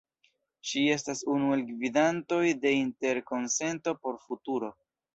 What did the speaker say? Ŝi estas unu el gvidantoj de Interkonsento por Futuro.